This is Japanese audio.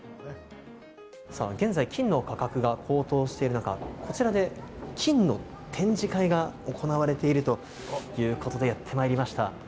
現在、金の価格が高騰している中、こちらで金の展示会が行われているということで、やってまいりました。